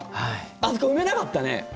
あそこ埋めなかったね。